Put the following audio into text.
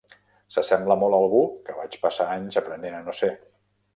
S'assembla molt a algú que vaig passar anys aprenent a no ser.